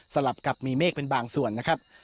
ลับกับมีเมฆเป็นบางส่วนนะครับ